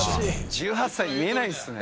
１８歳に見えないですね。